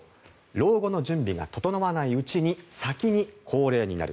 老後の準備が整わないうちに先に高齢になる。